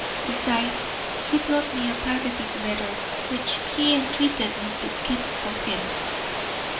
Besides, he brought me a packet of letters which he entreated me to keep for him.